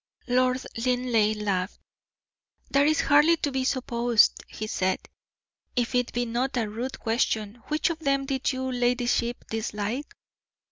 Lord Linleigh laughed. "That is hardly to be supposed," he said. "If it be not a rude question, which of them did your ladyship dislike?"